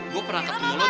gue pernah ketemu lo di